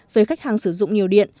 về khách hàng sử dụng nhiều điện